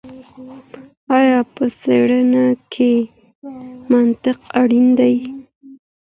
ایا په څېړنه کي منطق اړین دئ؟